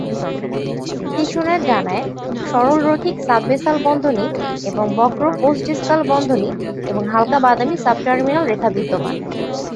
পিছনের ডানায়, সরলরৈখিক সাব-বেসাল বন্ধনী এবং বক্র পোস্ট-ডিসকাল বন্ধনী এবং হালকা বাদামী সাব টার্মিনাল রেখা বিদ্যমান।